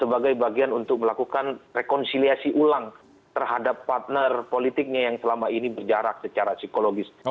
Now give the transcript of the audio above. sebagai bagian untuk melakukan rekonsiliasi ulang terhadap partner politiknya yang selama ini berjarak secara psikologis